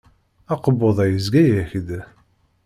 Akebbuḍ-a yezga-ak-d.